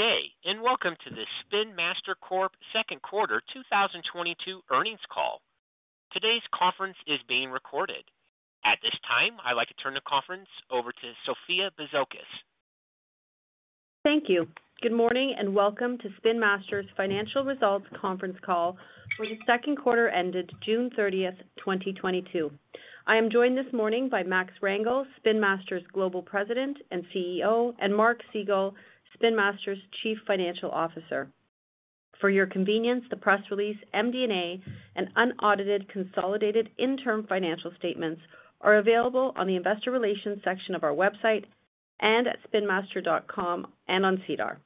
Good day, and welcome to the Spin Master Corp. second quarter 2022 earnings call. Today's conference is being recorded. At this time, I'd like to turn the conference over to Sophia Bisoukis. Thank you. Good morning, and welcome to Spin Master's financial results conference call for the second quarter ended June 30th, 2022. I am joined this morning by Max Rangel, Spin Master's Global President and CEO, and Mark Segal, Spin Master's Chief Financial Officer. For your convenience, the press release, MD&A, and unaudited consolidated interim financial statements are available on the investor relations section of our website and at spinmaster.com and on SEDAR.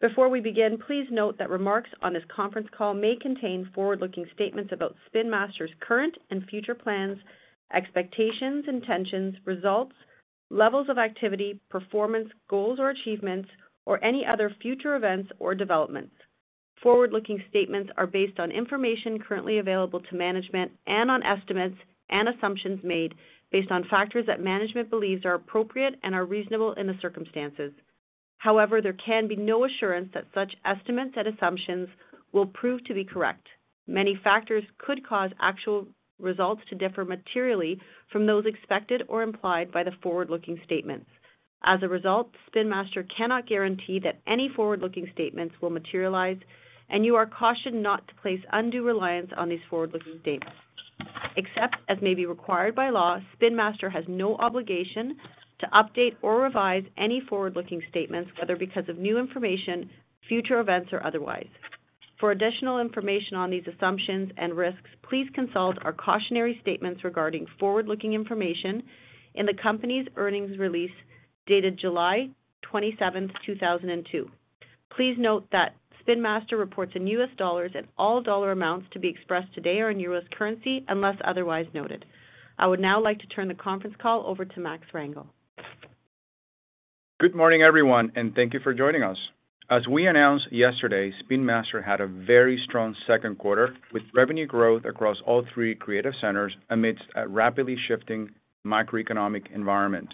Before we begin, please note that remarks on this conference call may contain forward-looking statements about Spin Master's current and future plans, expectations, intentions, results, levels of activity, performance, goals or achievements, or any other future events or developments. Forward-looking statements are based on information currently available to management and on estimates and assumptions made based on factors that management believes are appropriate and are reasonable in the circumstances. However, there can be no assurance that such estimates and assumptions will prove to be correct. Many factors could cause actual results to differ materially from those expected or implied by the forward-looking statements. As a result, Spin Master cannot guarantee that any forward-looking statements will materialize, and you are cautioned not to place undue reliance on these forward-looking statements. Except as may be required by law, Spin Master has no obligation to update or revise any forward-looking statements, whether because of new information, future events, or otherwise. For additional information on these assumptions and risks, please consult our cautionary statements regarding forward-looking information in the company's earnings release dated July twenty-seventh, two thousand and two. Please note that Spin Master reports in U.S. dollars, and all dollar amounts to be expressed today are in U.S. currency, unless otherwise noted. I would now like to turn the conference call over to Max Rangel. Good morning, everyone, and thank you for joining us. As we announced yesterday, Spin Master had a very strong second quarter, with revenue growth across all three creative centers amidst a rapidly shifting macroeconomic environment.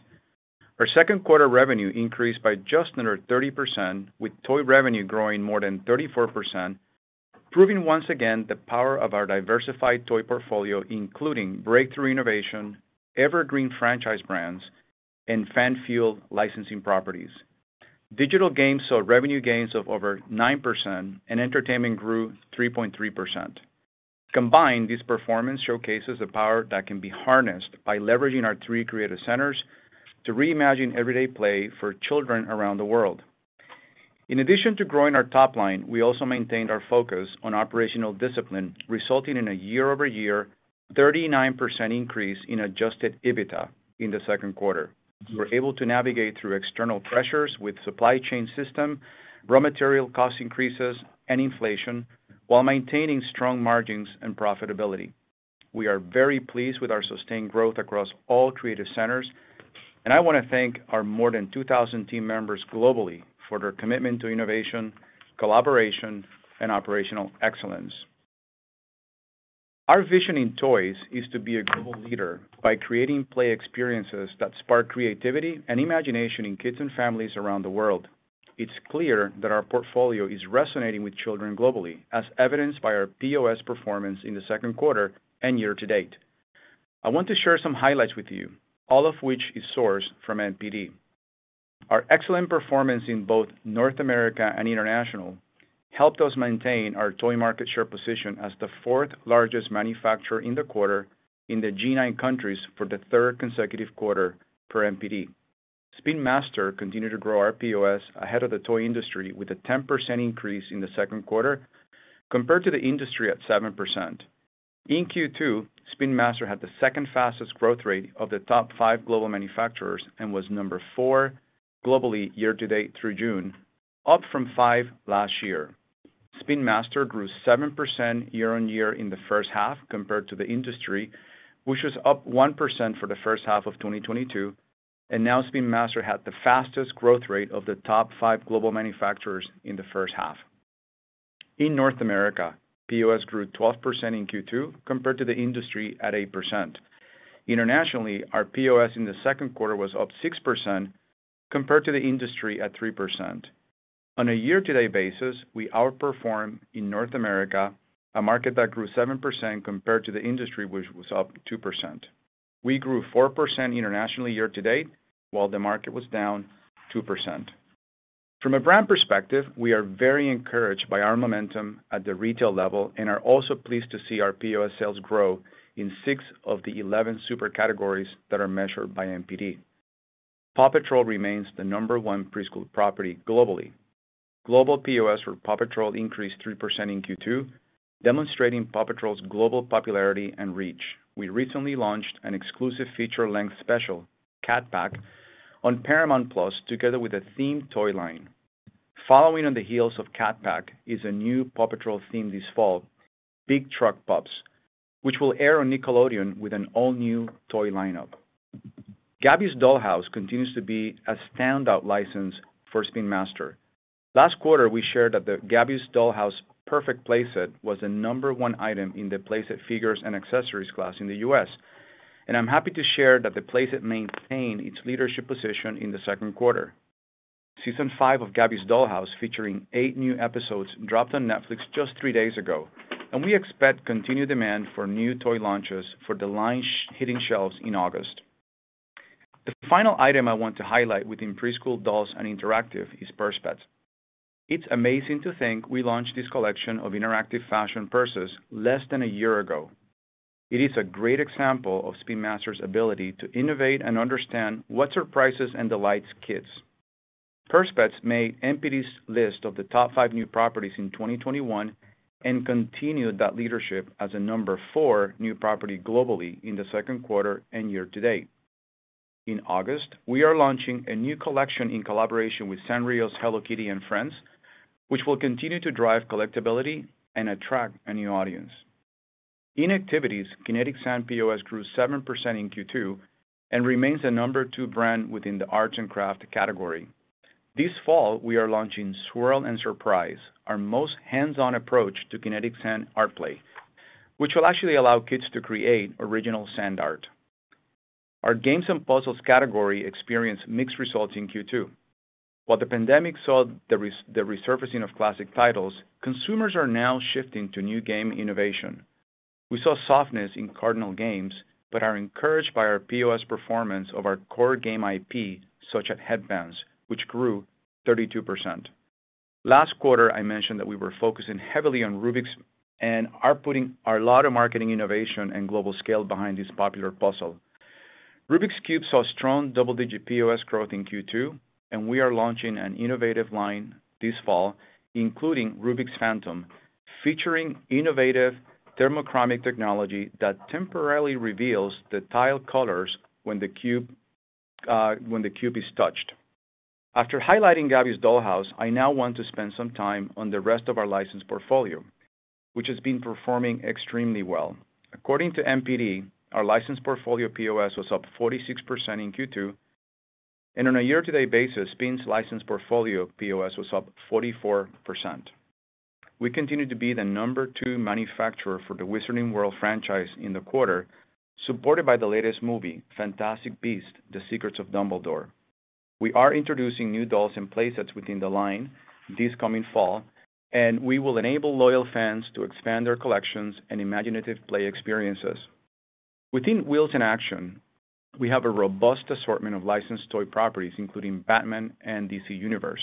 Our second quarter revenue increased by just under 30%, with toy revenue growing more than 34%, proving once again the power of our diversified toy portfolio, including breakthrough innovation, evergreen franchise brands, and fan-fueled licensing properties. Digital games saw revenue gains of over 9%, and entertainment grew 3.3%. Combined, this performance showcases the power that can be harnessed by leveraging our three creative centers to reimagine everyday play for children around the world. In addition to growing our top line, we also maintained our focus on operational discipline, resulting in a year-over-year 39% increase in adjusted EBITDA in the second quarter. We were able to navigate through external pressures with supply chain system, raw material cost increases, and inflation while maintaining strong margins and profitability. We are very pleased with our sustained growth across all creative centers, and I want to thank our more than 2,000 team members globally for their commitment to innovation, collaboration, and operational excellence. Our vision in toys is to be a global leader by creating play experiences that spark creativity and imagination in kids and families around the world. It's clear that our portfolio is resonating with children globally, as evidenced by our POS performance in the second quarter and year-to-date. I want to share some highlights with you, all of which is sourced from NPD. Our excellent performance in both North America and international helped us maintain our toy market share position as the fourth largest manufacturer in the quarter in the G9 countries for the third consecutive quarter per NPD. Spin Master continued to grow our POS ahead of the toy industry with a 10% increase in the second quarter compared to the industry at 7%. In Q2, Spin Master had the second fastest growth rate of the top five global manufacturers and was number 4 globally year-to-date through June, up from 5 last year. Spin Master grew 7% year-on-year in the first half compared to the industry, which was up 1% for the first half of 2022, and now Spin Master had the fastest growth rate of the top five global manufacturers in the first half. In North America, POS grew 12% in Q2 compared to the industry at 8%. Internationally, our POS in the second quarter was up 6% compared to the industry at 3%. On a year-to-date basis, we outperformed in North America, a market that grew 7% compared to the industry, which was up 2%. We grew 4% internationally year-to-date, while the market was down 2%. From a brand perspective, we are very encouraged by our momentum at the retail level and are also pleased to see our POS sales grow in six of the 11 super categories that are measured by NPD. PAW Patrol remains the number one preschool property globally. Global POS for PAW Patrol increased 3% in Q2, demonstrating PAW Patrol's global popularity and reach. We recently launched an exclusive feature-length special, Cat Pack, on Paramount+ together with a themed toy line. Following on the heels of Cat Pack is a new PAW Patrol theme this fall, Big Truck Pups, which will air on Nickelodeon with an all-new toy lineup. Gabby's Dollhouse continues to be a standout license for Spin Master. Last quarter, we shared that the Gabby's Dollhouse Purrfect Playset was the number 1 item in the playset figures and accessories class in the U.S. I'm happy to share that the playset maintained its leadership position in the second quarter. Season 5 of Gabby's Dollhouse, featuring eight new episodes, dropped on Netflix just three days ago, and we expect continued demand for new toy launches for the line hitting shelves in August. The final item I want to highlight within preschool dolls and interactive is Purse Pets. It's amazing to think we launched this collection of interactive fashion purses less than a year ago. It is a great example of Spin Master's ability to innovate and understand what surprises and delights kids. Purse Pets made NPD's list of the top five new properties in 2021 and continued that leadership as a number four new property globally in the second quarter and year to date. In August, we are launching a new collection in collaboration with Sanrio's Hello Kitty and Friends, which will continue to drive collectability and attract a new audience. In activities, Kinetic Sand POS grew 7% in Q2 and remains the number two brand within the arts and craft category. This fall, we are launching Swirl N' Surprise, our most hands-on approach to Kinetic Sand art play, which will actually allow kids to create original sand art. Our games and puzzles category experienced mixed results in Q2. While the pandemic saw the resurfacing of classic titles, consumers are now shifting to new game innovation. We saw softness in Cardinal Games, but are encouraged by our POS performance of our core game IP, such as Hedbanz, which grew 32%. Last quarter, I mentioned that we were focusing heavily on Rubik's and are putting a lot of marketing innovation and global scale behind this popular puzzle. Rubik's Cube saw strong double-digit POS growth in Q2, and we are launching an innovative line this fall, including Rubik's Phantom, featuring innovative thermochromic technology that temporarily reveals the tile colors when the cube is touched. After highlighting Gabby's Dollhouse, I now want to spend some time on the rest of our licensed portfolio, which has been performing extremely well. According to NPD, our licensed portfolio POS was up 46% in Q2, and on a year-to-date basis, Spin's licensed portfolio POS was up 44%. We continue to be the number two manufacturer for the Wizarding World franchise in the quarter, supported by the latest movie, Fantastic Beasts: The Secrets of Dumbledore. We are introducing new dolls and playsets within the line this coming fall, and we will enable loyal fans to expand their collections and imaginative play experiences. Within Wheels in Action, we have a robust assortment of licensed toy properties, including Batman and DC Universe.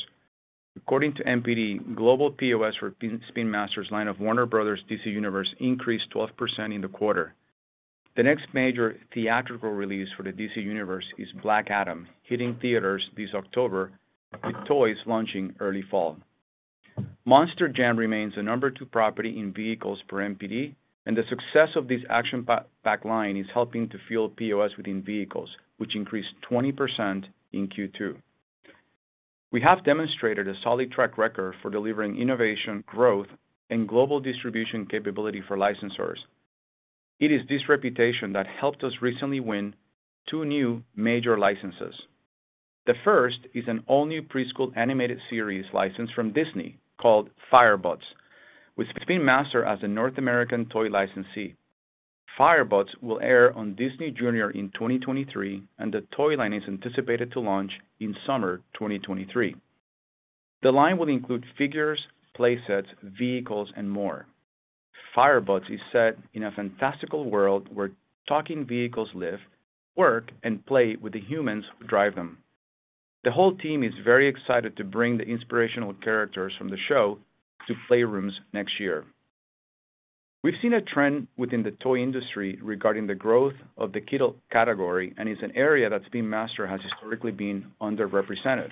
According to NPD, global POS for Spin Master's line of Warner Bros. DC Universe increased 12% in the quarter. The next major theatrical release for the DC Universe is Black Adam, hitting theaters this October, with toys launching early fall. Monster Jam remains the number two property in vehicles per NPD, and the success of this action-packed line is helping to fuel POS within vehicles, which increased 20% in Q2. We have demonstrated a solid track record for delivering innovation, growth, and global distribution capability for licensors. It is this reputation that helped us recently win two new major licenses. The first is an all-new preschool animated series license from Disney called Firebuds, with Spin Master as the North American toy licensee. Firebuds will air on Disney Junior in 2023, and the toy line is anticipated to launch in summer 2023. The line will include figures, playsets, vehicles, and more. Firebuds is set in a fantastical world where talking vehicles live, work, and play with the humans who drive them. The whole team is very excited to bring the inspirational characters from the show to playrooms next year. We've seen a trend within the toy industry regarding the growth of the kid category, and it's an area that Spin Master has historically been underrepresented.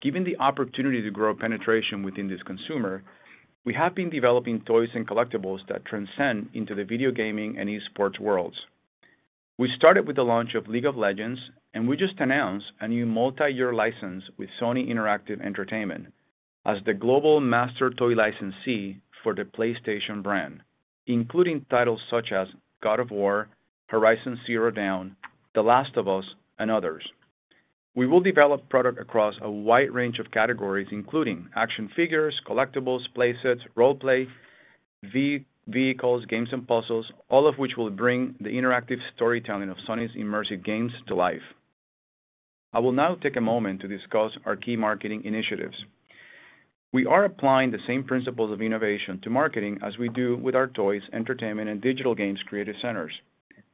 Given the opportunity to grow penetration within this consumer, we have been developing toys and collectibles that transcend into the video gaming and e-sports worlds. We started with the launch of League of Legends, and we just announced a new multi-year license with Sony Interactive Entertainment as the global master toy licensee for the PlayStation brand, including titles such as God of War, Horizon Zero Dawn, The Last of Us, and others. We will develop product across a wide range of categories, including action figures, collectibles, playsets, role-play, vehicles, games and puzzles, all of which will bring the interactive storytelling of Sony's immersive games to life. I will now take a moment to discuss our key marketing initiatives. We are applying the same principles of innovation to marketing as we do with our toys, entertainment, and digital games creative centers.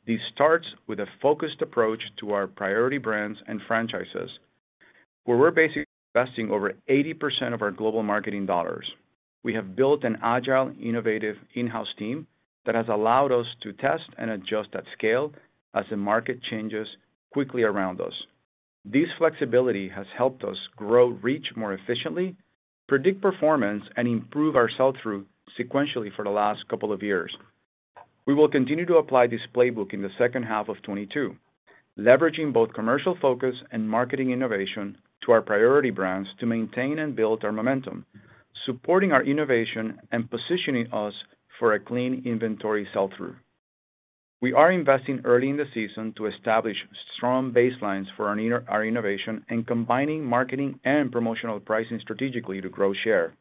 This starts with a focused approach to our priority brands and franchises, where we're basically investing over 80% of our global marketing dollars. We have built an agile, innovative in-house team that has allowed us to test and adjust at scale as the market changes quickly around us. This flexibility has helped us grow reach more efficiently, predict performance, and improve our sell-through sequentially for the last couple of years. We will continue to apply this playbook in the second half of 2022, leveraging both commercial focus and marketing innovation to our priority brands to maintain and build our momentum, supporting our innovation and positioning us for a clean inventory sell-through. We are investing early in the season to establish strong baselines for our innovation and combining marketing and promotional pricing strategically to grow share.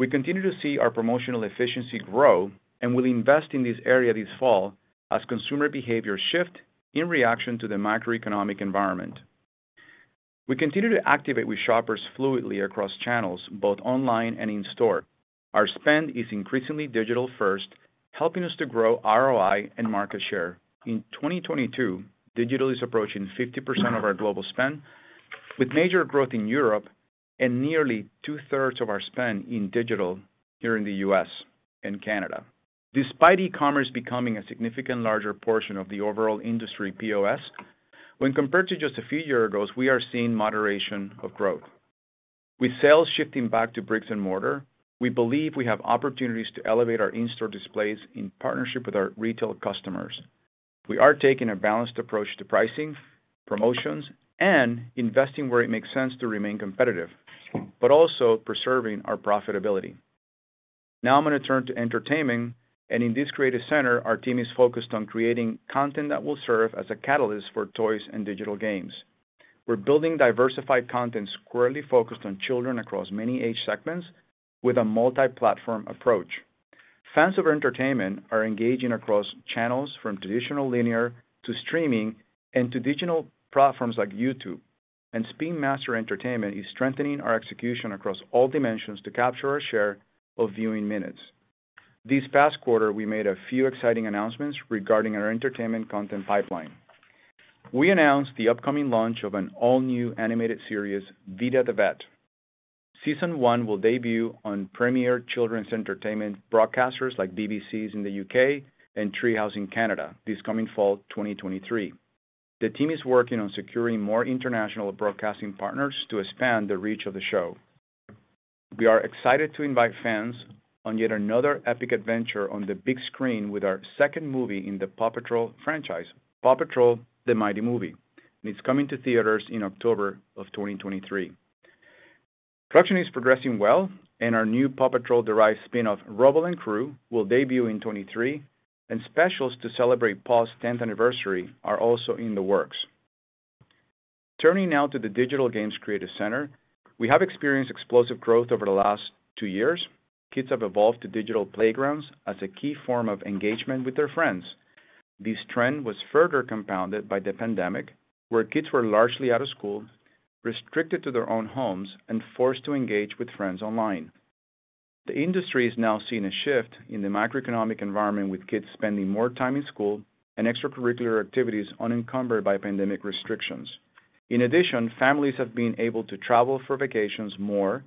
We continue to see our promotional efficiency grow, and we'll invest in this area this fall as consumer behaviors shift in reaction to the macroeconomic environment. We continue to activate with shoppers fluidly across channels, both online and in store. Our spend is increasingly digital first, helping us to grow ROI and market share. In 2022, digital is approaching 50% of our global spend, with major growth in Europe and nearly 2/3 of our spend in digital here in the U.S. and Canada. Despite e-commerce becoming a significantly larger portion of the overall industry POS, when compared to just a few years ago, we are seeing moderation of growth. With sales shifting back to bricks-and-mortar, we believe we have opportunities to elevate our in-store displays in partnership with our retail customers. We are taking a balanced approach to pricing, promotions, and investing where it makes sense to remain competitive, but also preserving our profitability. Now I'm going to turn to entertainment, and in this creative center, our team is focused on creating content that will serve as a catalyst for toys and digital games. We're building diversified content squarely focused on children across many age segments with a multi-platform approach. Fans of entertainment are engaging across channels from traditional linear to streaming and to digital platforms like YouTube. Spin Master Entertainment is strengthening our execution across all dimensions to capture our share of viewing minutes. This past quarter, we made a few exciting announcements regarding our entertainment content pipeline. We announced the upcoming launch of an all-new animated series, Vida the Vet. Season one will debut on premier children's entertainment broadcasters like BBC's in the U.K. and Treehouse in Canada this coming fall 2023. The team is working on securing more international broadcasting partners to expand the reach of the show. We are excited to invite fans on yet another epic adventure on the big screen with our second movie in the PAW Patrol franchise, PAW Patrol: The Mighty Movie, and it's coming to theaters in October 2023. Production is progressing well and our new PAW Patrol-derived spin-off, Rubble & Crew, will debut in 2023, and specials to celebrate PAW's tenth anniversary are also in the works. Turning now to the digital games creative center, we have experienced explosive growth over the last two years. Kids have evolved to digital playgrounds as a key form of engagement with their friends. This trend was further compounded by the pandemic, where kids were largely out of school, restricted to their own homes, and forced to engage with friends online. The industry is now seeing a shift in the macroeconomic environment, with kids spending more time in school and extracurricular activities unencumbered by pandemic restrictions. In addition, families have been able to travel for vacations more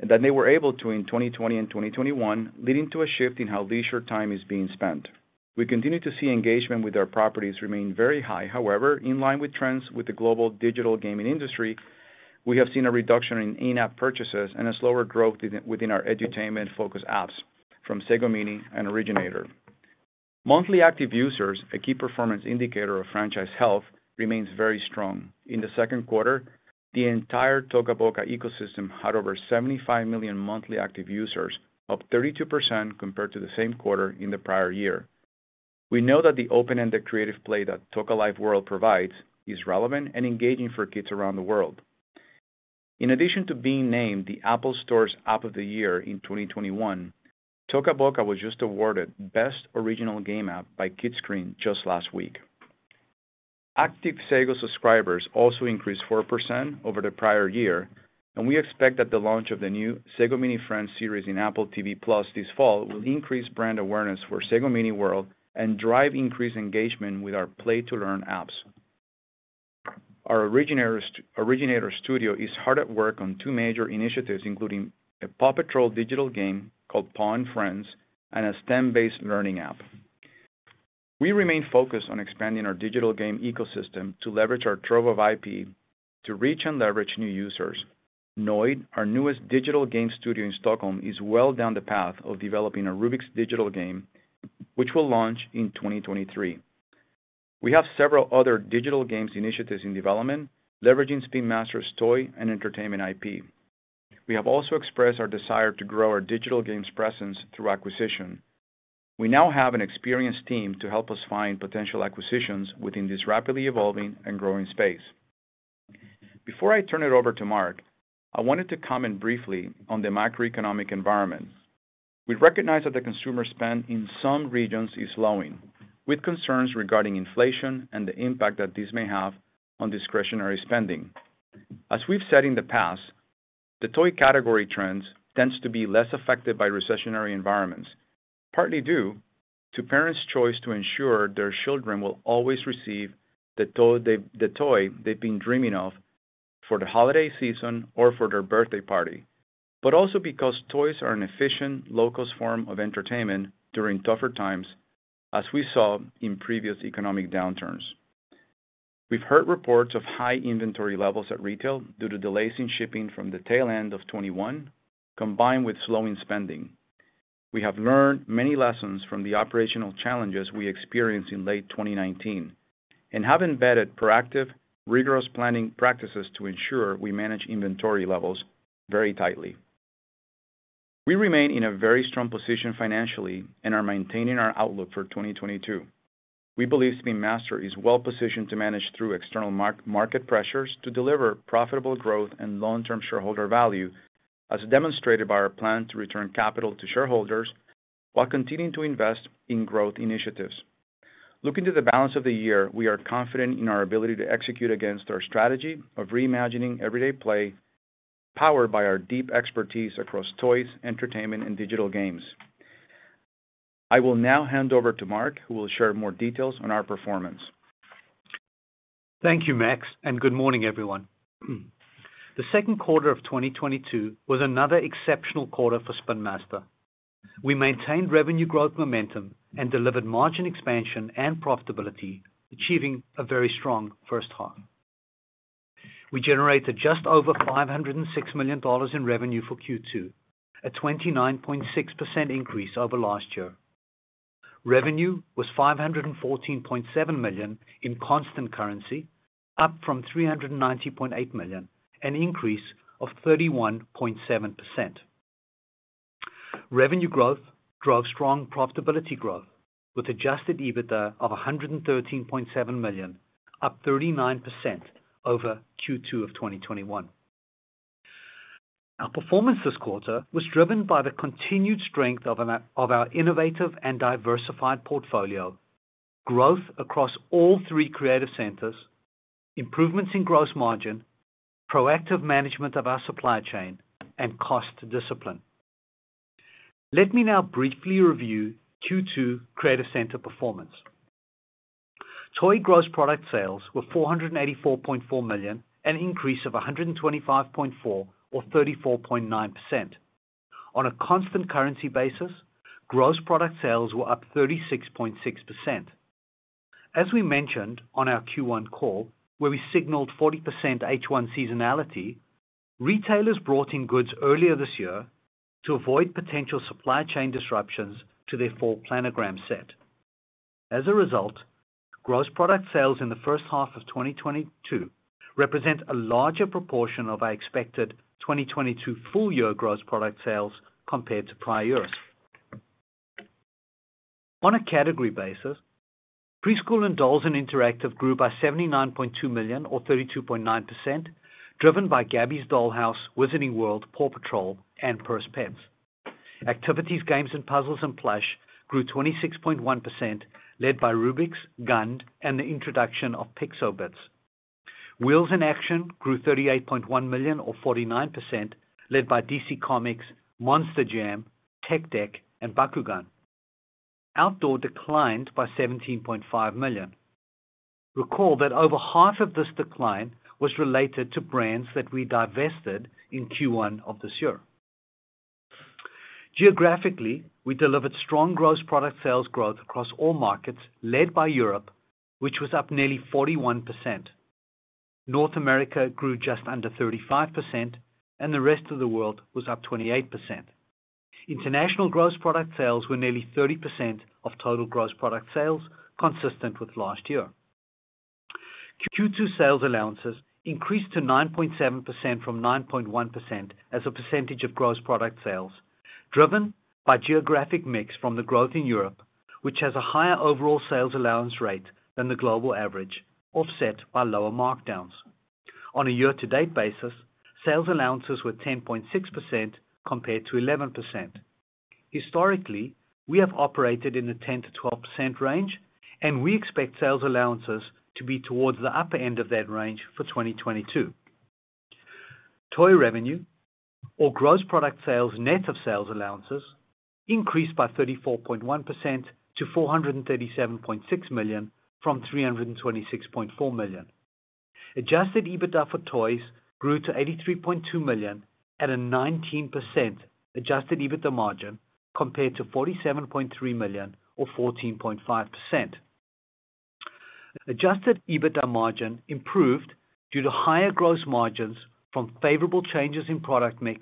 than they were able to in 2020 and 2021, leading to a shift in how leisure time is being spent. We continue to see engagement with our properties remain very high. However, in line with trends with the global digital gaming industry, we have seen a reduction in in-app purchases and a slower growth within our edutainment-focused apps from Sago Mini and Originator. Monthly active users, a key performance indicator of franchise health, remains very strong. In the second quarter, the entire Toca Boca ecosystem had over 75 million monthly active users, up 32% compared to the same quarter in the prior year. We know that the open-ended creative play that Toca Life World provides is relevant and engaging for kids around the world. In addition to being named the App Store's App of the Year in 2021, Toca Boca was just awarded Best Original Game App by Kidscreen just last week. Active Sago Mini subscribers also increased 4% over the prior year, and we expect that the launch of the new Sago Mini Friends series in Apple TV+ this fall will increase brand awareness for Sago Mini World and drive increased engagement with our play-to-learn apps. Our Originator Studio is hard at work on two major initiatives, including a PAW Patrol digital game called PAW and Friends, and a STEM-based learning app. We remain focused on expanding our digital game ecosystem to leverage our trove of IP to reach and leverage new users. Nørdlight, our newest digital game studio in Stockholm, is well down the path of developing a Rubik's digital game, which will launch in 2023. We have several other digital games initiatives in development, leveraging Spin Master's toy and entertainment IP. We have also expressed our desire to grow our digital games presence through acquisition. We now have an experienced team to help us find potential acquisitions within this rapidly evolving and growing space. Before I turn it over to Mark, I wanted to comment briefly on the macroeconomic environment. We recognize that the consumer spend in some regions is slowing, with concerns regarding inflation and the impact that this may have on discretionary spending. As we've said in the past, the toy category tends to be less affected by recessionary environments, partly due to parents' choice to ensure their children will always receive the toy they've been dreaming of for the holiday season or for their birthday party. Also because toys are an efficient, low-cost form of entertainment during tougher times, as we saw in previous economic downturns. We've heard reports of high inventory levels at retail due to delays in shipping from the tail end of 2021, combined with slowing spending. We have learned many lessons from the operational challenges we experienced in late 2019 and have embedded proactive, rigorous planning practices to ensure we manage inventory levels very tightly. We remain in a very strong position financially and are maintaining our outlook for 2022. We believe Spin Master is well positioned to manage through external market pressures to deliver profitable growth and long-term shareholder value, as demonstrated by our plan to return capital to shareholders while continuing to invest in growth initiatives. Looking to the balance of the year, we are confident in our ability to execute against our strategy of reimagining everyday play, powered by our deep expertise across toys, entertainment, and digital games. I will now hand over to Mark, who will share more details on our performance. Thank you, Max, and good morning everyone. The second quarter of 2022 was another exceptional quarter for Spin Master. We maintained revenue growth momentum and delivered margin expansion and profitability, achieving a very strong first half. We generated just over $506 million in revenue for Q2, a 29.6% increase over last year. Revenue was $514.7 million in constant currency, up from $390.8 million, an increase of 31.7%. Revenue growth drove strong profitability growth with adjusted EBITDA of $113.7 million, up 39% over Q2 of 2021. Our performance this quarter was driven by the continued strength of our innovative and diversified portfolio, growth across all three creative centers, improvements in gross margin, proactive management of our supply chain and cost discipline. Let me now briefly review Q2 creative center performance. Toy gross product sales were $484.4 million, an increase of $125.4 or 34.9%. On a constant currency basis, gross product sales were up 36.6%. As we mentioned on our Q1 call, where we signaled 40% H1 seasonality, retailers brought in goods earlier this year to avoid potential supply chain disruptions to their full planogram set. As a result, gross product sales in the first half of 2022 represent a larger proportion of our expected 2022 full year gross product sales compared to prior years. On a category basis, preschool and dolls and interactive grew by $79.2 million or 32.9%, driven by Gabby's Dollhouse, Wizarding World, PAW Patrol and Purse Pets. Activities, games and puzzles and plush grew 26.1%, led by Rubik's, GUND and the introduction of Pixobitz. Wheels in action grew $38.1 million or 49%, led by DC Comics, Monster Jam, Tech Deck and Bakugan. Outdoor declined by $17.5 million. Recall that over half of this decline was related to brands that we divested in Q1 of this year. Geographically, we delivered strong gross product sales growth across all markets, led by Europe, which was up nearly 41%. North America grew just under 35% and the rest of the world was up 28%. International gross product sales were nearly 30% of total gross product sales, consistent with last year. Q2 sales allowances increased to 9.7% from 9.1% as a percentage of gross product sales, driven by geographic mix from the growth in Europe, which has a higher overall sales allowance rate than the global average, offset by lower markdowns. On a year-to-date basis, sales allowances were 10.6% compared to 11%. Historically, we have operated in the 10%-12% range, and we expect sales allowances to be towards the upper end of that range for 2022. Toy revenue or gross product sales net of sales allowances increased by 34.1% to $437.6 million from $326.4 million. Adjusted EBITDA for toys grew to $83.2 million at a 19% adjusted EBITDA margin compared to $47.3 million or 14.5%. Adjusted EBITDA margin improved due to higher gross margins from favorable changes in product mix,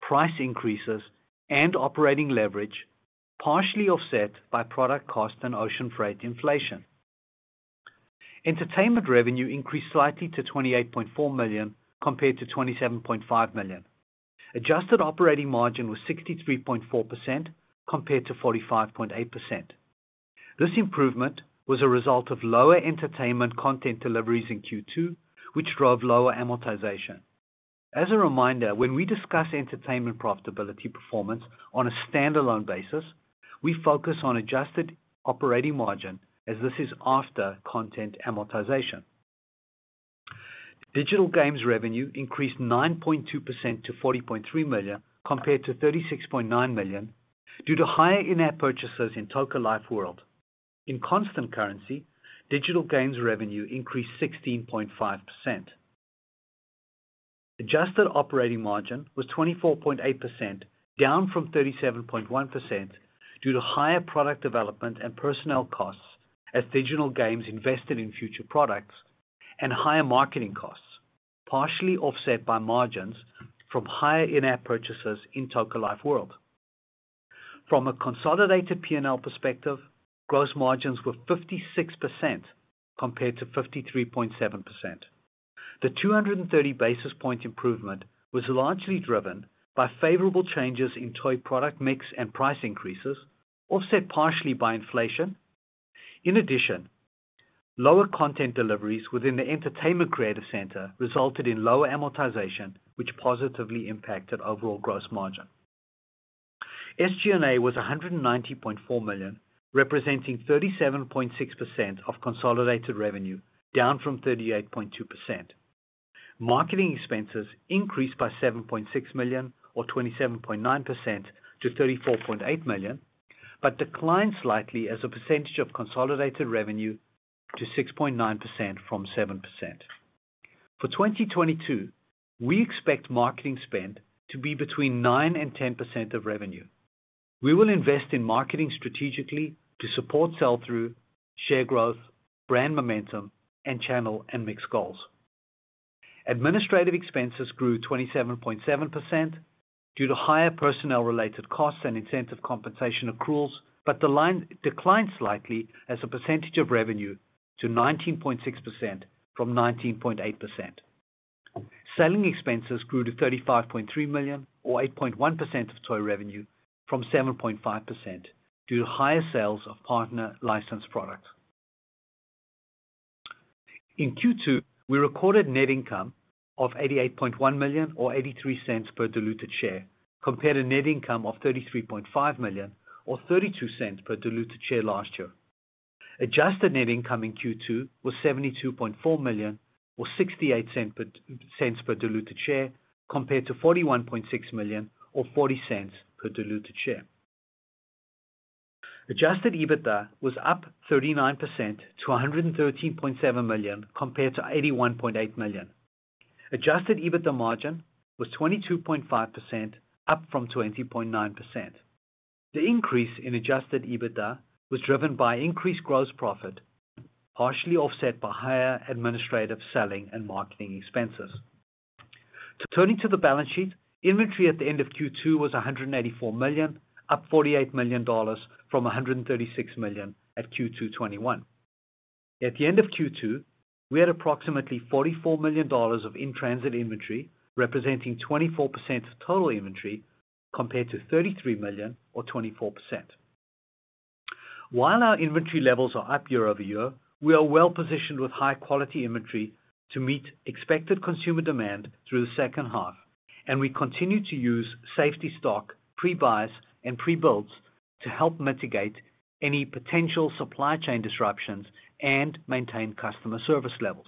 price increases and operating leverage, partially offset by product cost and ocean freight inflation. Entertainment revenue increased slightly to $28.4 million compared to $27.5 million. Adjusted operating margin was 63.4% compared to 45.8%. This improvement was a result of lower entertainment content deliveries in Q2, which drove lower amortization. As a reminder, when we discuss entertainment profitability performance on a standalone basis, we focus on adjusted operating margin as this is after content amortization. Digital games revenue increased 9.2% to $40.3 million compared to $36.9 million due to higher in-app purchases in Toca Life: World. In constant currency, digital games revenue increased 16.5%. Adjusted operating margin was 24.8%, down from 37.1% due to higher product development and personnel costs as digital games invested in future products and higher marketing costs, partially offset by margins from higher in-app purchases in Toca Life: World. From a consolidated P&L perspective, gross margins were 56% compared to 53.7%. The 230 basis point improvement was largely driven by favorable changes in toy product mix and price increases, offset partially by inflation. In addition, lower content deliveries within the entertainment creative center resulted in lower amortization, which positively impacted overall gross margin. SG&A was $190.4 million, representing 37.6% of consolidated revenue, down from 38.2%. Marketing expenses increased by $7.6 million or 27.9% to $34.8 million, but declined slightly as a percentage of consolidated revenue to 6.9% from 7%. For 2022, we expect marketing spend to be between 9% and 10% of revenue. We will invest in marketing strategically to support sell-through, share growth, brand momentum, and channel and mix goals. Administrative expenses grew 27.7% due to higher personnel-related costs and incentive compensation accruals, but declined slightly as a percentage of revenue to 19.6% from 19.8%. Selling expenses grew to $35.3 million or 8.1% of toy revenue from 7.5% due to higher sales of partner licensed products. In Q2, we recorded net income of $88.1 million or $0.83 per diluted share, compared to net income of $33.5 million or $0.32 per diluted share last year. Adjusted net income in Q2 was $72.4 million or $0.68 per diluted share compared to $41.6 million or $0.40 per diluted share. Adjusted EBITDA was up 39% to $113.7 million compared to $81.8 million. Adjusted EBITDA margin was 22.5%, up from 20.9%. The increase in adjusted EBITDA was driven by increased gross profit, partially offset by higher administrative selling and marketing expenses. Turning to the balance sheet, inventory at the end of Q2 was $184 million, up $48 million from $136 million at Q2 2021. At the end of Q2, we had approximately $44 million of in-transit inventory, representing 24% of total inventory, compared to $33 million or 24%. While our inventory levels are up year-over-year, we are well positioned with high quality inventory to meet expected consumer demand through the second half, and we continue to use safety stock, pre-buys, and pre-builds to help mitigate any potential supply chain disruptions and maintain customer service levels.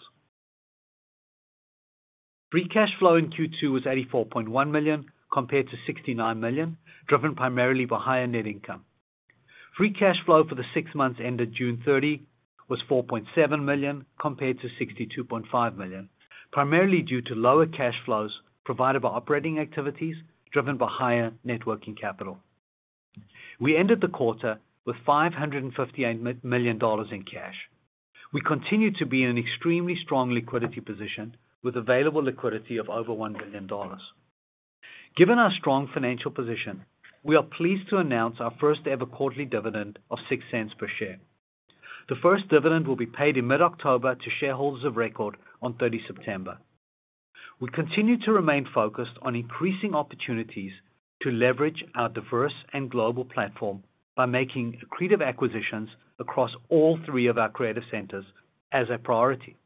Free cash flow in Q2 was $84.1 million compared to $69 million, driven primarily by higher net income. Free cash flow for the six months ended June 30 was $4.7 million compared to $62.5 million, primarily due to lower cash flows provided by operating activities driven by higher net working capital. We ended the quarter with $558 million in cash. We continue to be in an extremely strong liquidity position with available liquidity of over $1 billion. Given our strong financial position, we are pleased to announce our first ever quarterly dividend of $0.06 per share. The first dividend will be paid in mid-October to shareholders of record on September 30. We continue to remain focused on increasing opportunities to leverage our diverse and global platform by making accretive acquisitions across all three of our creative centers as a priority.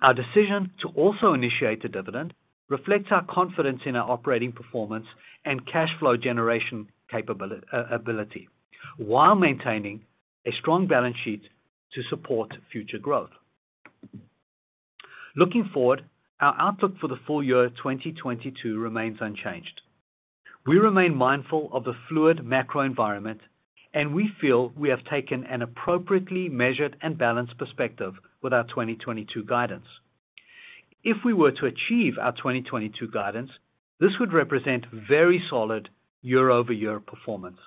Our decision to also initiate a dividend reflects our confidence in our operating performance and cash flow generation ability while maintaining a strong balance sheet to support future growth. Looking forward, our outlook for the full year 2022 remains unchanged. We remain mindful of the fluid macro environment, and we feel we have taken an appropriately measured and balanced perspective with our 2022 guidance. If we were to achieve our 2022 guidance, this would represent very solid year-over-year performance.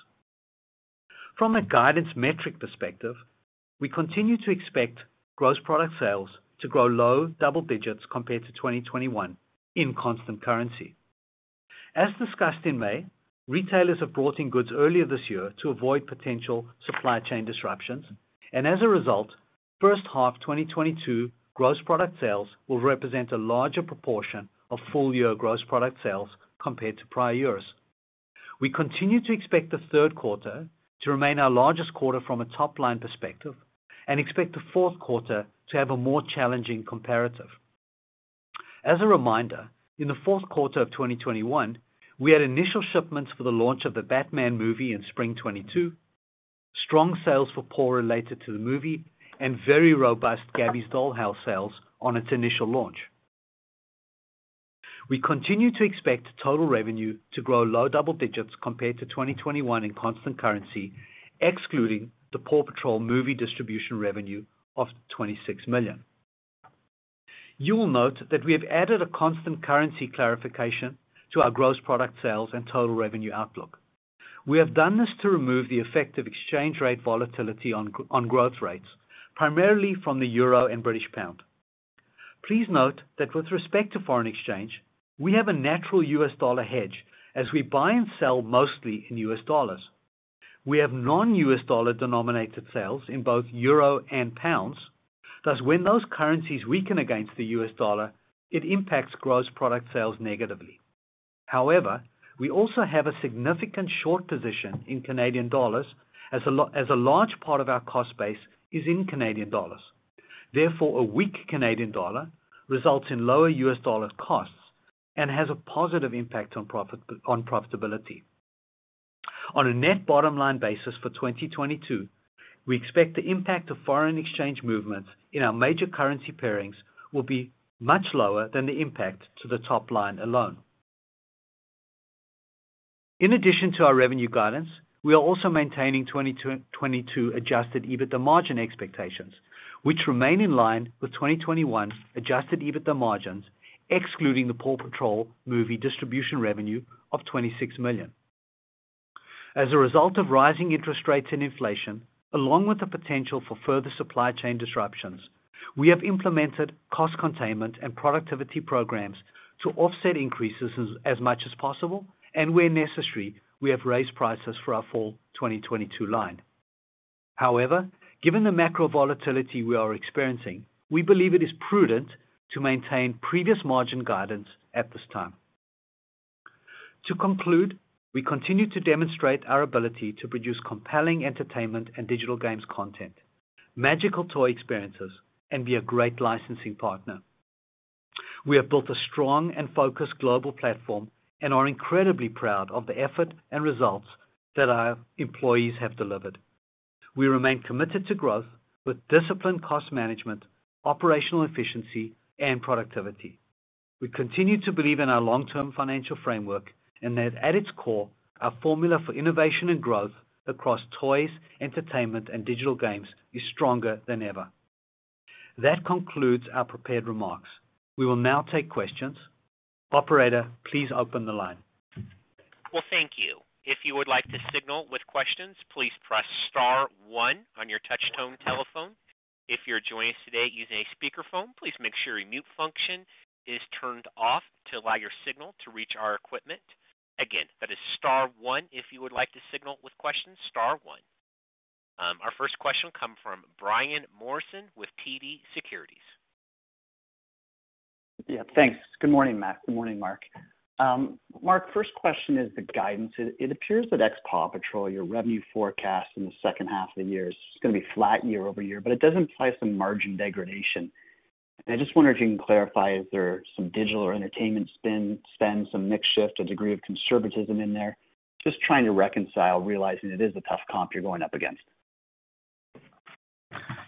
From a guidance metric perspective, we continue to expect gross product sales to grow low double digits compared to 2021 in constant currency. As discussed in May, retailers have brought in goods earlier this year to avoid potential supply chain disruptions, and as a result, first half 2022 gross product sales will represent a larger proportion of full year gross product sales compared to prior years. We continue to expect the third quarter to remain our largest quarter from a top-line perspective and expect the fourth quarter to have a more challenging comparative. As a reminder, in the fourth quarter of 2021, we had initial shipments for the launch of the Batman movie in spring 2022, strong sales for Paw related to the movie, and very robust Gabby's Dollhouse sales on its initial launch. We continue to expect total revenue to grow low double digits compared to 2021 in constant currency, excluding the Paw Patrol movie distribution revenue of $26 million. You will note that we have added a constant currency clarification to our gross product sales and total revenue outlook. We have done this to remove the effect of exchange rate volatility on growth rates, primarily from the euro and British pound. Please note that with respect to foreign exchange, we have a natural U.S. dollar hedge as we buy and sell mostly in U.S. dollars. We have non-US dollar denominated sales in both euro and pounds. Thus, when those currencies weaken against the US dollar, it impacts gross product sales negatively. However, we also have a significant short position in Canadian dollars as a large part of our cost base is in Canadian dollars. Therefore, a weak Canadian dollar results in lower U.S. dollar costs and has a positive impact on profitability. On a net bottom line basis for 2022, we expect the impact of foreign exchange movements in our major currency pairings will be much lower than the impact to the top line alone. In addition to our revenue guidance, we are also maintaining 2022 adjusted EBITDA margin expectations, which remain in line with 2021 adjusted EBITDA margins, excluding the PAW Patrol movie distribution revenue of $26 million. As a result of rising interest rates and inflation, along with the potential for further supply chain disruptions, we have implemented cost containment and productivity programs to offset increases as much as possible, and where necessary, we have raised prices for our fall 2022 line. However, given the macro volatility we are experiencing, we believe it is prudent to maintain previous margin guidance at this time. To conclude, we continue to demonstrate our ability to produce compelling entertainment and digital games content, magical toy experiences, and be a great licensing partner. We have built a strong and focused global platform and are incredibly proud of the effort and results that our employees have delivered. We remain committed to growth with disciplined cost management, operational efficiency, and productivity. We continue to believe in our long-term financial framework and that at its core, our formula for innovation and growth across toys, entertainment, and digital games is stronger than ever. That concludes our prepared remarks. We will now take questions. Operator, please open the line. Well, thank you. If you would like to signal with questions, please press star-one on your touchtone telephone. If you're joining us today using a speakerphone, please make sure your mute function is turned off to allow your signal to reach our equipment. Again, that is star one. If you would like to signal with questions, star one. Our first question comes from Brian Morrison with TD Securities. Yeah, thanks. Good morning, Max Rangel. Good morning, Mark. Mark, first question is the guidance. It appears that ex-PAW Patrol, your revenue forecast in the second half of the year is going to be flat year-over-year, but it does imply some margin degradation. I just wonder if you can clarify, is there some digital or entertainment spend, some mix shift, a degree of conservatism in there? Just trying to reconcile, realizing it is a tough comp you're going up against.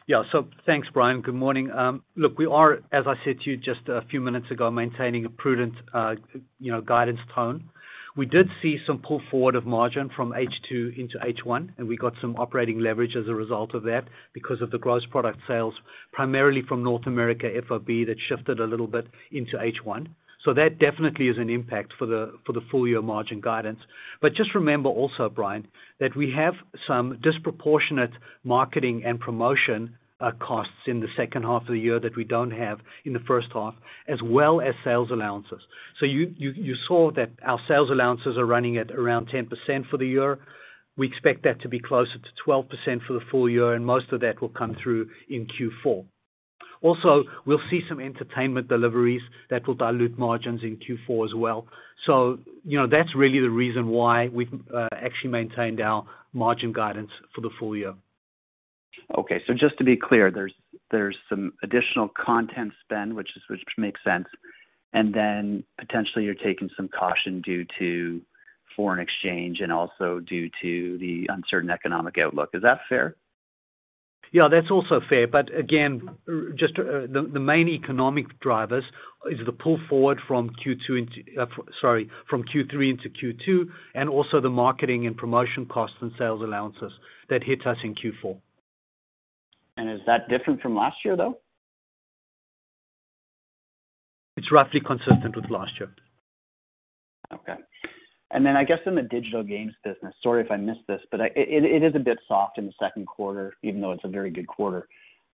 Yeah. Thanks, Brian. Good morning. Look, we are, as I said to you just a few minutes ago, maintaining a prudent, you know, guidance tone. We did see some pull forward of margin from H2 into H1, and we got some operating leverage as a result of that because of the gross product sales, primarily from North America FOB that shifted a little bit into H1. That definitely is an impact for the full year margin guidance. But just remember also, Brian, that we have some disproportionate marketing and promotion costs in the second half of the year that we don't have in the first half, as well as sales allowances. You saw that our sales allowances are running at around 10% for the year. We expect that to be closer to 12% for the full year, and most of that will come through in Q4. Also, we'll see some entertainment deliveries that will dilute margins in Q4 as well. You know, that's really the reason why we've actually maintained our margin guidance for the full year. Okay. Just to be clear, there's some additional content spend, which makes sense, and then potentially you're taking some caution due to foreign exchange and also due to the uncertain economic outlook. Is that fair? Yeah, that's also fair. Again, just the main economic drivers is the pull forward from Q3 into Q2, and also the marketing and promotion costs and sales allowances that hit us in Q4. Is that different from last year, though? It's roughly consistent with last year. Okay. Then I guess in the digital games business, sorry if I missed this, but it is a bit soft in the second quarter, even though it's a very good quarter.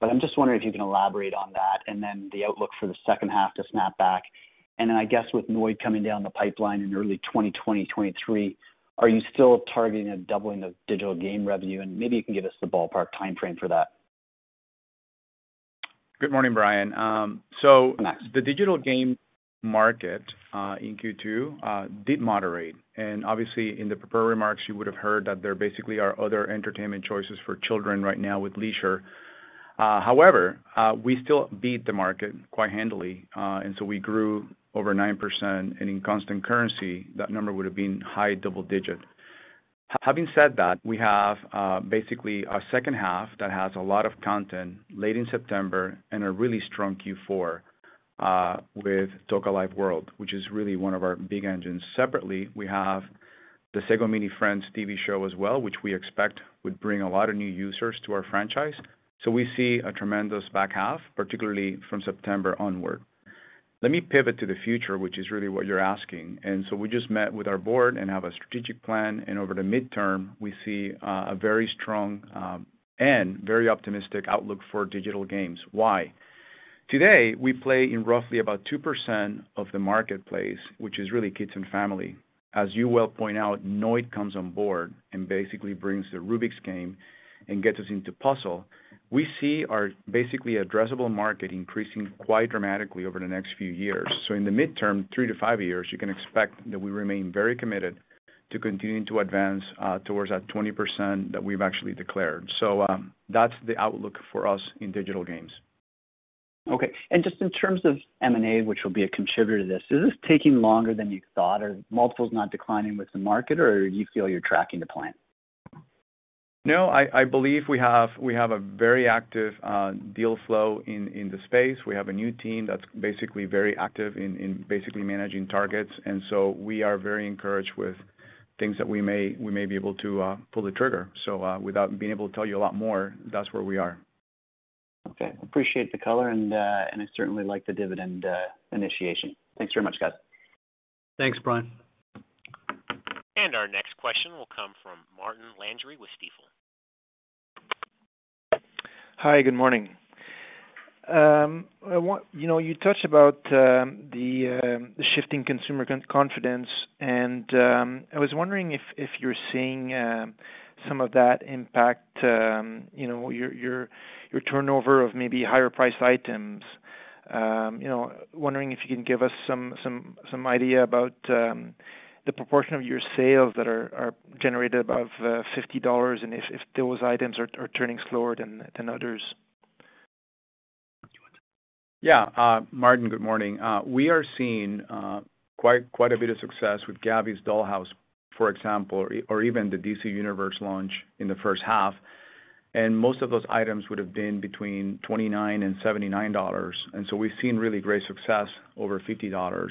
I'm just wondering if you can elaborate on that and then the outlook for the second half to snap back. Then I guess with Nørdlight coming down the pipeline in early 2023, are you still targeting a doubling of digital game revenue? Maybe you can give us the ballpark timeframe for that. Good morning, Brian. The digital game market in Q2 did moderate. Obviously in the prepared remarks, you would have heard that there basically are other entertainment choices for children right now with leisure. However, we still beat the market quite handily. We grew over 9%, and in constant currency, that number would have been high double digit. Having said that, we have basically a second half that has a lot of content late in September and a really strong Q4 with Toca Life: World, which is really one of our big engines. Separately, we have the Sago Mini Friends TV show as well, which we expect would bring a lot of new users to our franchise. We see a tremendous back half, particularly from September onward. Let me pivot to the future, which is really what you're asking. We just met with our board and have a strategic plan, and over the midterm, we see a very strong and very optimistic outlook for digital games. Why? Today, we play in roughly about 2% of the marketplace, which is really kids and family. As you well point out, Nørdlight comes on board and basically brings the Rubik's game and gets us into puzzle. We see our basically addressable market increasing quite dramatically over the next few years. In the midterm, three to five years, you can expect that we remain very committed to continuing to advance towards that 20% that we've actually declared. That's the outlook for us in digital games. Okay. Just in terms of M&A, which will be a contributor to this, is this taking longer than you thought? Are multiples not declining with the market or you feel you're tracking the plan? No, I believe we have a very active deal flow in the space. We have a new team that's basically very active in basically managing targets. We are very encouraged with things that we may be able to pull the trigger. Without being able to tell you a lot more, that's where we are. Okay. Appreciate the color and I certainly like the dividend initiation. Thanks very much, guys. Thanks, Brian. Our next question will come from Martin Landry with Stifel. Hi, good morning. You know, you touched on the shifting consumer confidence and I was wondering if you're seeing some of that impact, you know, your turnover of maybe higher priced items. You know, wondering if you can give us some idea about the proportion of your sales that are generated above $50 and if those items are turning slower than others. Yeah. Martin, good morning. We are seeing quite a bit of success with Gabby's Dollhouse, for example, or even the DC Universe launch in the first half. Most of those items would have been between $29 and $79. We've seen really great success over $50.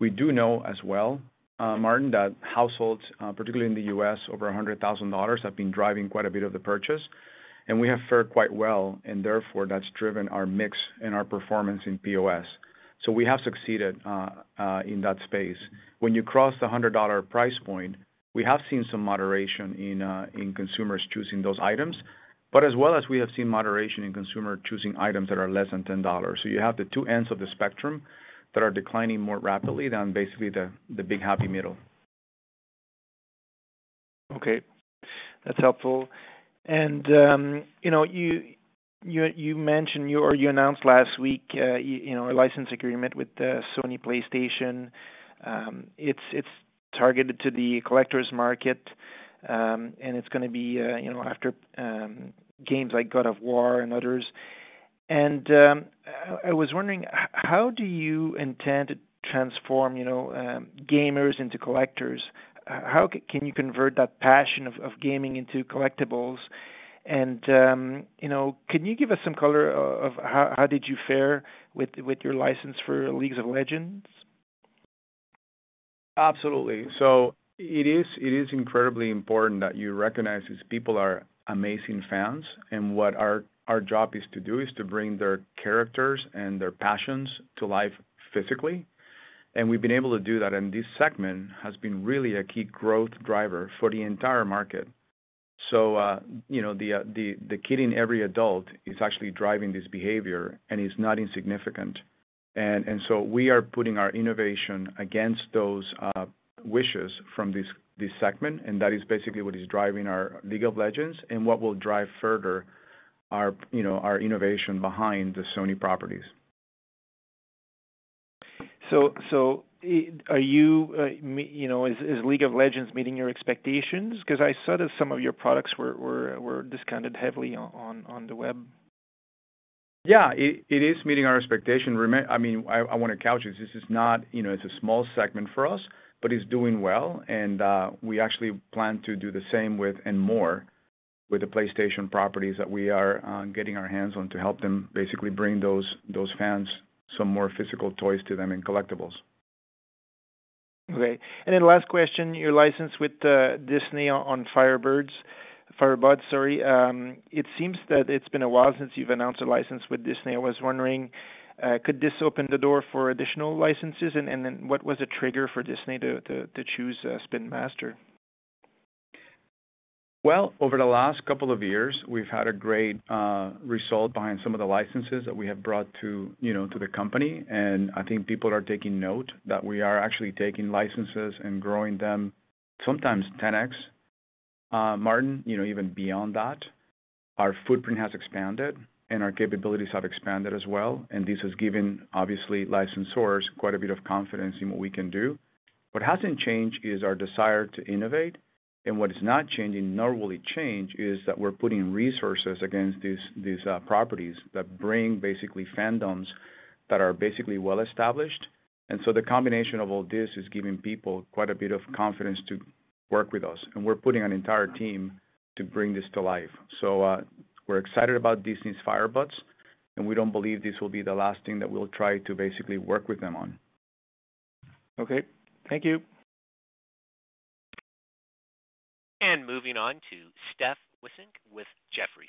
We do know as well, Martin, that households, particularly in the U.S., over $100,000 have been driving quite a bit of the purchases, and we have fared quite well. That's driven our mix and our performance in POS. We have succeeded in that space. When you cross the $100 price point, we have seen some moderation in consumers choosing those items. We have seen moderation in consumers choosing items that are less than $10. You have the two ends of the spectrum that are declining more rapidly than basically the big happy middle. Okay. That's helpful. You know, you mentioned or you announced last week, you know, a license agreement with Sony PlayStation. It's targeted to the collectors market, and it's going to be, you know, after games like God of War and others. I was wondering how do you intend to transform, you know, gamers into collectors? How can you convert that passion of gaming into collectibles? You know, can you give us some color of how did you fare with your license for League of Legends? Absolutely. It is incredibly important that you recognize these people are amazing fans, and what our job is to do is to bring their characters and their passions to life physically. We've been able to do that, and this segment has been really a key growth driver for the entire market. You know, the kid in every adult is actually driving this behavior, and it's not insignificant. We are putting our innovation against those wishes from this segment, and that is basically what is driving our League of Legends and what will drive further our you know our innovation behind the Sony properties. Are you know, is League of Legends meeting your expectations? Because I saw that some of your products were discounted heavily on the web. Yeah. It is meeting our expectation. I mean, I want to couch this. This is not. You know, it's a small segment for us, but it's doing well, and we actually plan to do the same with and more with the PlayStation properties that we are getting our hands on to help them basically bring those fans some more physical toys to them and collectibles. Okay. Last question, your license with Disney on Firebuds. It seems that it's been a while since you've announced a license with Disney. I was wondering, could this open the door for additional licenses? What was the trigger for Disney to choose Spin Master? Well, over the last couple of years, we've had a great result behind some of the licenses that we have brought to, you know, to the company. I think people are taking note that we are actually taking licenses and growing them sometimes 10x. Martin, you know, even beyond that, our footprint has expanded and our capabilities have expanded as well. This has given, obviously, licensors quite a bit of confidence in what we can do. What hasn't changed is our desire to innovate, and what is not changing, nor will it change, is that we're putting resources against these properties that bring basically fandoms that are basically well-established. The combination of all this is giving people quite a bit of confidence to work with us, and we're putting an entire team to bring this to life. We're excited about Disney's Firebuds, and we don't believe this will be the last thing that we'll try to basically work with them on. Okay. Thank you. Moving on to Stephanie Wissink with Jefferies.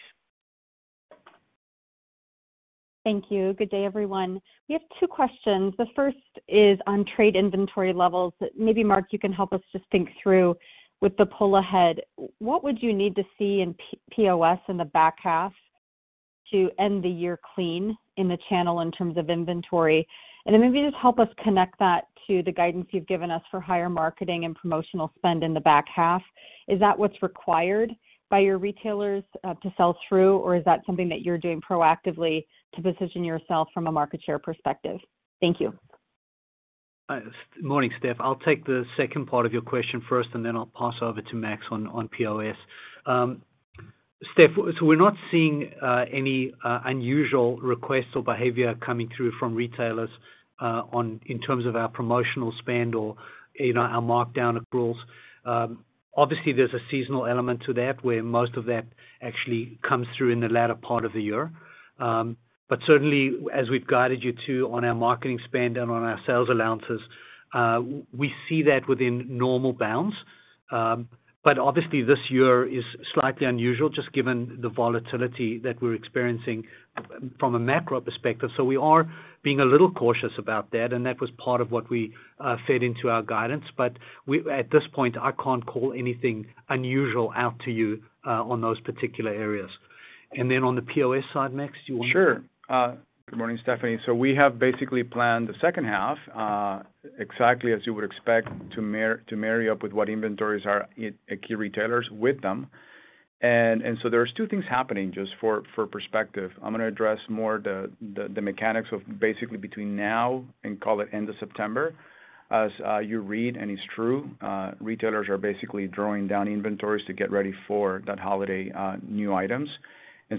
Thank you. Good day, everyone. We have two questions. The first is on trade inventory levels. Maybe, Mark, you can help us just think through with the pull ahead, what would you need to see in POS in the back half to end the year clean in the channel in terms of inventory. Then maybe just help us connect that to the guidance you've given us for higher marketing and promotional spend in the back half. Is that what's required by your retailers, to sell through or is that something that you're doing proactively to position yourself from a market share perspective? Thank you. Morning, Steph. I'll take the second part of your question first, and then I'll pass over to Max on POS. Steph, so we're not seeing any unusual requests or behavior coming through from retailers in terms of our promotional spend or, you know, our markdown approvals. Obviously, there's a seasonal element to that, where most of that actually comes through in the latter part of the year. But certainly, as we've guided you to on our marketing spend and on our sales allowances, we see that within normal bounds. But obviously, this year is slightly unusual just given the volatility that we're experiencing from a macro perspective, so we are being a little cautious about that, and that was part of what we fed into our guidance. At this point, I can't call anything unusual out to you on those particular areas. Then on the POS side, Max. Sure. Good morning, Stephanie. We have basically planned the second half exactly as you would expect to marry up with what inventories are at key retailers with them. There's two things happening, just for perspective. I'm going to address more the mechanics of basically between now and call it end of September. As you read, and it's true, retailers are basically drawing down inventories to get ready for that holiday new items.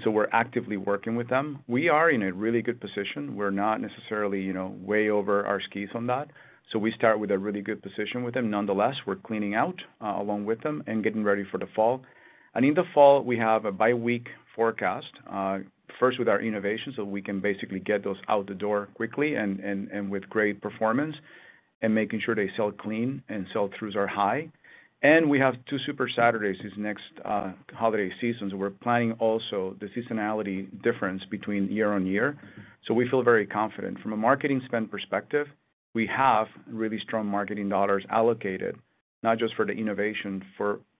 We're actively working with them. We are in a really good position. We're not necessarily, you know, way over our skis on that. We start with a really good position with them. Nonetheless, we're cleaning out along with them and getting ready for the fall. In the fall, we have a bi-weekly forecast, first with our innovations so we can basically get those out the door quickly and with great performance and making sure they sell clean and sell-throughs are high. We have two Super Saturdays this next holiday season, so we're planning also the seasonality difference between year-on-year. We feel very confident. From a marketing spend perspective, we have really strong marketing dollars allocated, not just for the innovation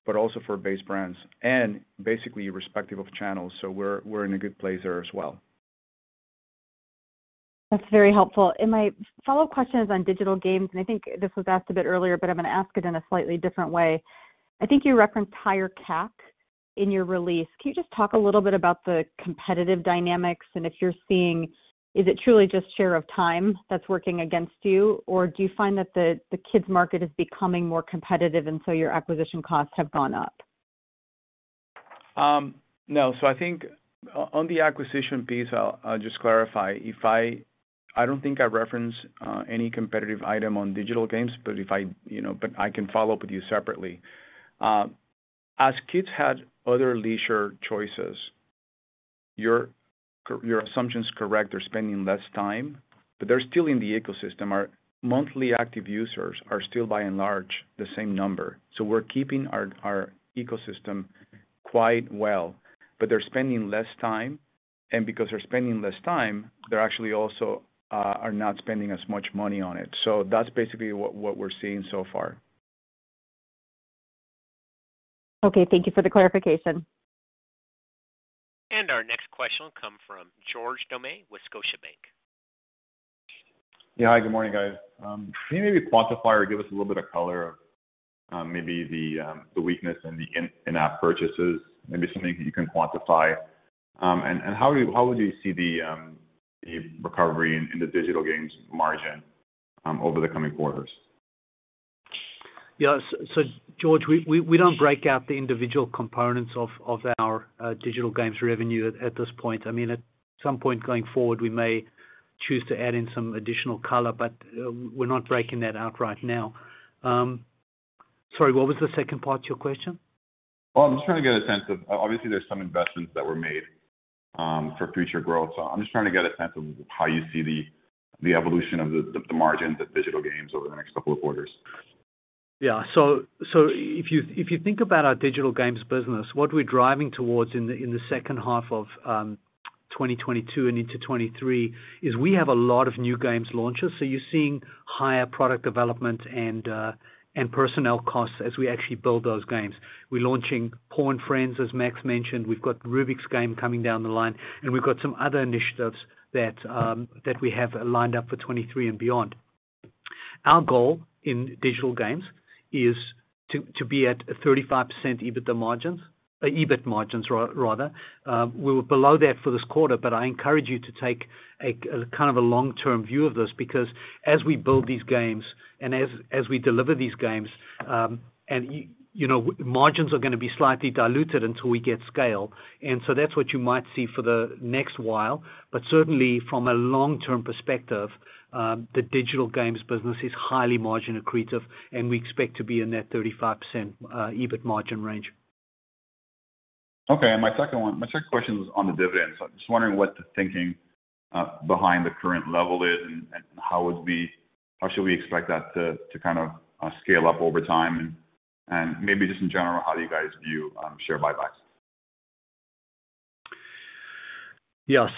but also for base brands and basically irrespective of channels. We're in a good place there as well. That's very helpful. My follow-up question is on digital games, and I think this was asked a bit earlier, but I'm going to ask it in a slightly different way. I think you referenced higher CAC in your release. Can you just talk a little bit about the competitive dynamics and if you're seeing. Is it truly just share of time that's working against you, or do you find that the kids market is becoming more competitive, and so your acquisition costs have gone up? No. I think on the acquisition piece, I'll just clarify. I don't think I referenced any competitive item on digital games, but if I, you know, I can follow up with you separately. As kids have other leisure choices, your assumption is correct. They're spending less time, but they're still in the ecosystem. Our monthly active users are still, by and large, the same number. We're keeping our ecosystem quite well, but they're spending less time, and because they're spending less time, they're actually also not spending as much money on it. That's basically what we're seeing so far. Okay. Thank you for the clarification. Our next question will come from George Doumet with Scotiabank. Yeah. Hi, good morning, guys. Can you maybe quantify or give us a little bit of color, maybe the weakness in the in-app purchases, maybe something that you can quantify? How would you see the recovery in the digital games margin over the coming quarters? George, we don't break out the individual components of our digital games revenue at this point. I mean, at some point going forward, we may choose to add in some additional color, but we're not breaking that out right now. Sorry, what was the second part to your question? Obviously, there's some investments that were made for future growth. I'm just trying to get a sense of how you see the evolution of the margins at digital games over the next couple of quarters. Yeah. If you think about our digital games business, what we're driving towards in the second half of 2022 and into 2023 is we have a lot of new games launches. You're seeing higher product development and personnel costs as we actually build those games. We're launching PAW and Friends, as Max mentioned. We've got Rubik's game coming down the line, and we've got some other initiatives that we have lined up for 2023 and beyond. Our goal in digital games is to be at a 35% EBITDA margins, EBIT margins rather. We were below that for this quarter, but I encourage you to take a kind of a long-term view of this because as we build these games and as we deliver these games, and you know, margins are going to be slightly diluted until we get scale. That's what you might see for the next while. Certainly, from a long-term perspective, the digital games business is highly margin accretive, and we expect to be in that 35% EBIT margin range. Okay. My second question was on the dividends. I'm just wondering what the thinking behind the current level is and how should we expect that to kind of scale up over time? Maybe just in general, how do you guys view share buybacks? Yeah.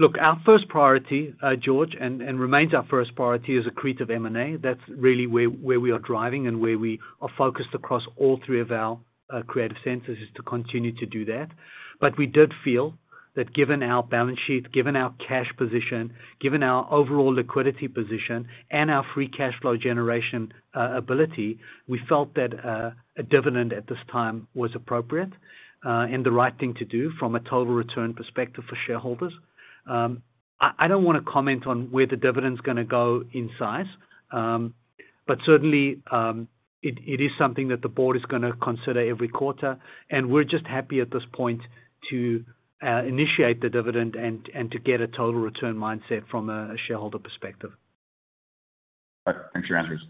Look, our first priority, George, and remains our first priority is accretive M&A. That's really where we are driving and where we are focused across all three of our creative centers, is to continue to do that. But we did feel that given our balance sheet, given our cash position, given our overall liquidity position and our free cash flow generation ability, we felt that a dividend at this time was appropriate and the right thing to do from a total return perspective for shareholders. I don't want to comment on where the dividend's going to go in size. But certainly, it is something that the board is going to consider every quarter, and we're just happy at this point to initiate the dividend and to get a total return mindset from a shareholder perspective. All right. Thanks for your answers.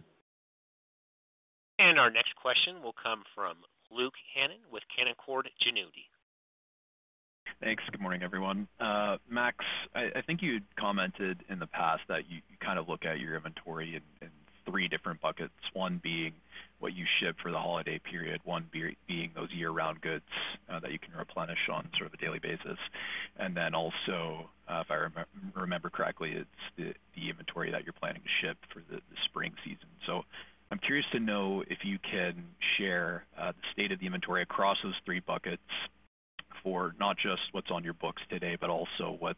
Our next question will come from Luke Hannan with Canaccord Genuity. Thanks. Good morning, everyone. Max, I think you'd commented in the past that you kind of look at your inventory in three different buckets. One being what you ship for the holiday period, one being those year-round goods that you can replenish on sort of a daily basis. If I remember correctly, it's the inventory that you're planning to ship for the spring season. I'm curious to know if you can share the state of the inventory across those three buckets for not just what's on your books today, but also what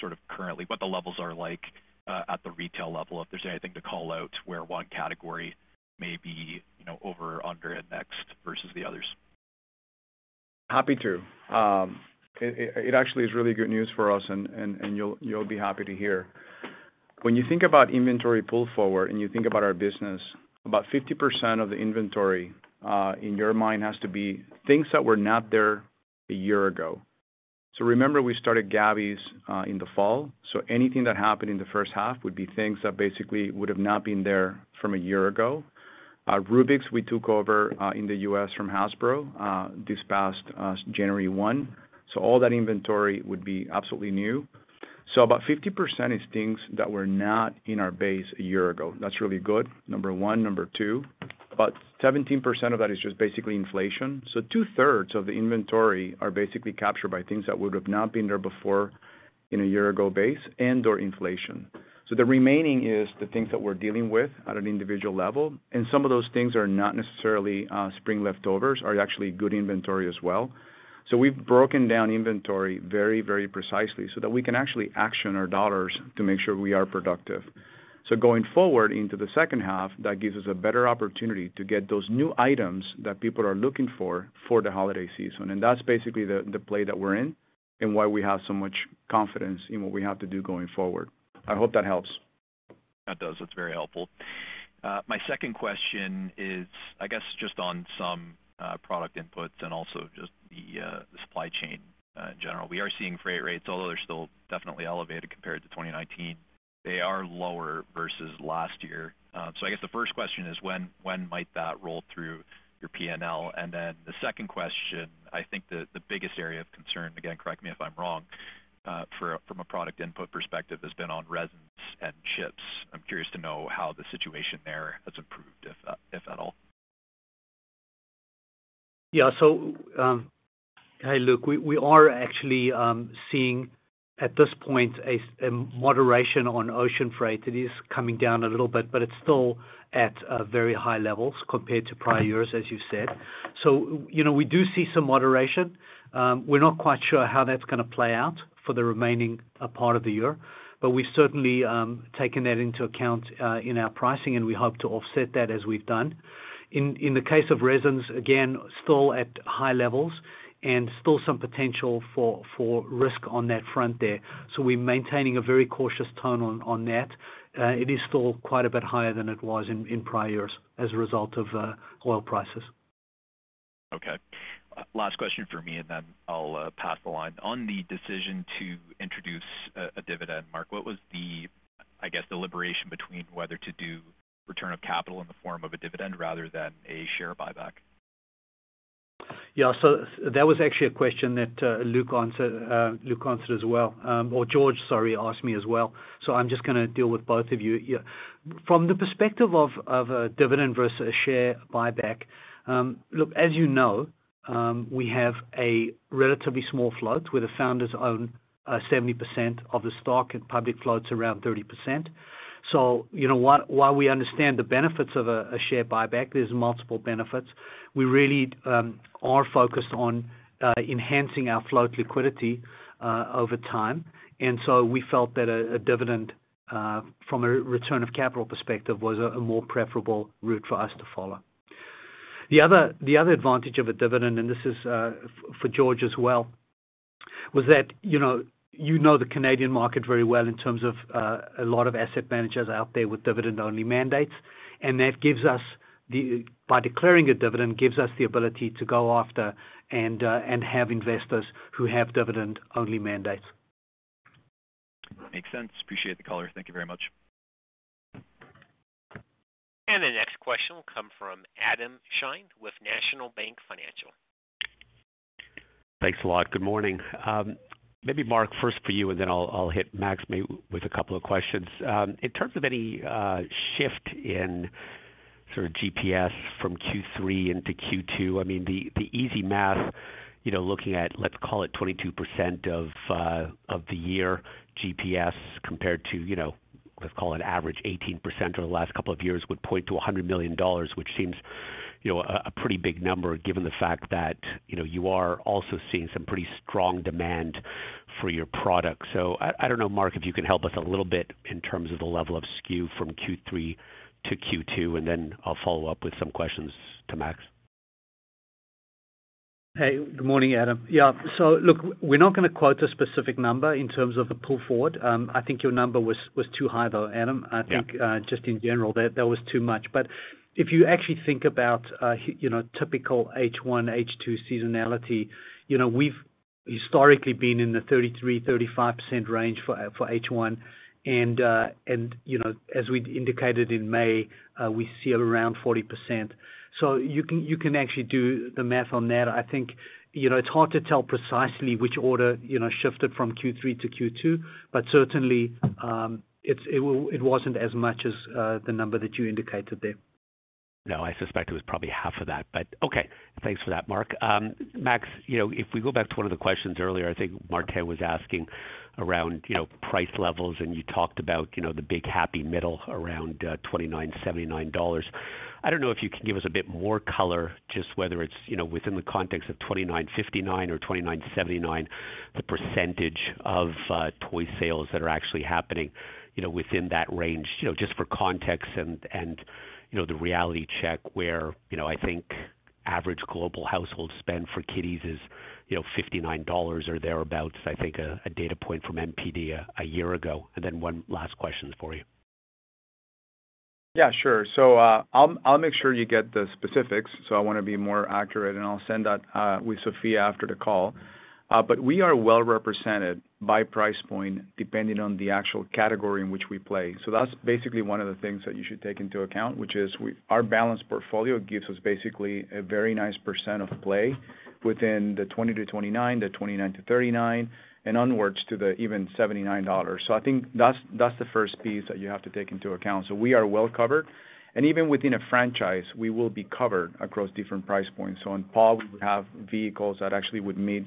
the levels are like at the retail level, if there's anything to call out where one category may be, you know, over or under indexed versus the others. Happy to. It actually is really good news for us and you'll be happy to hear. When you think about inventory pull forward and you think about our business, about 50% of the inventory in your mind has to be things that were not there a year ago. Remember we started Gabby's in the fall, so anything that happened in the first half would be things that basically would've not been there from a year ago. Rubik's we took over in the U.S. from Hasbro this past January 1. All that inventory would be absolutely new. About 50% is things that were not in our base a year ago. That's really good, number one. Number two, about 17% of that is just basically inflation. 2/3 of the inventory are basically captured by things that would've not been there before in a year ago base and/or inflation. The remaining is the things that we're dealing with at an individual level, and some of those things are not necessarily spring leftovers, are actually good inventory as well. We've broken down inventory very, very precisely so that we can actually action our dollars to make sure we are productive. Going forward into the second half, that gives us a better opportunity to get those new items that people are looking for for the holiday season. That's basically the play that we're in and why we have so much confidence in what we have to do going forward. I hope that helps. That does. That's very helpful. My second question is, I guess just on some product inputs and also just the supply chain in general. We are seeing freight rates, although they're still definitely elevated compared to 2019, they are lower versus last year. So I guess the first question is when might that roll through your P&L? And then the second question, I think the biggest area of concern, again, correct me if I'm wrong, from a product input perspective, has been on resins and chips. I'm curious to know how the situation there has improved, if at all. Hey, Luke, we are actually seeing at this point a moderation on ocean freight. It is coming down a little bit, but it's still at very high levels compared to prior years, as you said. You know, we do see some moderation. We're not quite sure how that's going to play out for the remaining part of the year. We've certainly taken that into account in our pricing, and we hope to offset that as we've done. In the case of resins, again, still at high levels and still some potential for risk on that front there. We're maintaining a very cautious tone on that. It is still quite a bit higher than it was in prior years as a result of oil prices. Okay. Last question from me, and then I'll pass the line. On the decision to introduce a dividend, Mark, what was, I guess, the deliberation between whether to do return of capital in the form of a dividend rather than a share buyback? Yeah. That was actually a question that George, sorry, asked me as well. I'm just going to deal with both of you. Yeah. From the perspective of a dividend versus a share buyback, look, as you know, we have a relatively small float where the founders own 70% of the stock and public float's around 30%. You know, while we understand the benefits of a share buyback, there's multiple benefits, we really are focused on enhancing our float liquidity over time. We felt that a dividend from a return of capital perspective was a more preferable route for us to follow. The other advantage of a dividend, and this is for George as well, was that, you know, you know the Canadian market very well in terms of a lot of asset managers out there with dividend-only mandates. That gives us, by declaring a dividend, the ability to go after and have investors who have dividend-only mandates. Makes sense. Appreciate the color. Thank you very much. The next question will come from Adam Shine with National Bank Financial. Thanks a lot. Good morning. Maybe Mark, first for you, and then I'll hit Max maybe with a couple of questions. In terms of any shift in sort of GPS from Q3 into Q2, I mean, the easy math, you know, looking at, let's call it 22% of the year GPS compared to, you know, let's call it average 18% over the last couple of years would point to $100 million, which seems, you know, a pretty big number given the fact that, you know, you are also seeing some pretty strong demand for your product. I don't know, Mark, if you can help us a little bit in terms of the level of SKU from Q3 to Q2, and then I'll follow up with some questions to Max. Hey, good morning, Adam. Yeah. Look, we're not going to quote a specific number in terms of the pull forward. I think your number was too high, though, Adam. I think, just in general, that was too much. If you actually think about, you know, typical H1, H2 seasonality, you know, we've historically been in the 33%-35% range for H1 and, you know, as we indicated in May, we see around 40%. You can actually do the math on that. I think, you know, it's hard to tell precisely which order, you know, shifted from Q3 to Q2, but certainly, it wasn't as much as the number that you indicated there. No, I suspect it was probably half of that, but okay. Thanks for that, Mark. Max, you know, if we go back to one of the questions earlier, I think Martin was asking around, you know, price levels, and you talked about, you know, the big happy middle around $29.79. I don't know if you can give us a bit more color, just whether it's, you know, within the context of $29.59 or $29.79, the percentage of toy sales that are actually happening, you know, within that range, you know, just for context and you know, the reality check where, you know, I think average global household spend for kiddies is, you know, $59 or thereabout, I think a data point from NPD a year ago. One last question for you. Yeah, sure. I'll make sure you get the specifics. I want to be more accurate, and I'll send that with Sophia after the call. We are well represented by price point, depending on the actual category in which we play. That's basically one of the things that you should take into account, which is our balanced portfolio gives us basically a very nice percent of play within the $20-29, the $29-39, and onwards to the even $79. I think that's the first piece that you have to take into account. We are well covered. Even within a franchise, we will be covered across different price points. On PAW, we would have vehicles that actually would meet